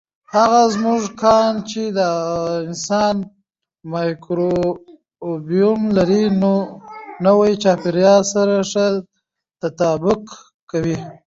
هغه موږکان چې د انسان مایکروبیوم لري، نوي چاپېریال سره ښه تطابق کوي.